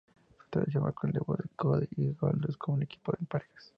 Esta lucha marcó el debut de Cody y Goldust como un equipo en parejas.